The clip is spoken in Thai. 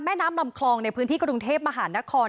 น้ำลำคลองในพื้นที่กรุงเทพมหานคร